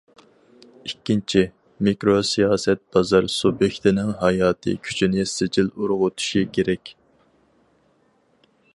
ئىككىنچى، مىكرو سىياسەت بازار سۇبيېكتىنىڭ ھاياتىي كۈچىنى سىجىل ئۇرغۇتۇشى كېرەك.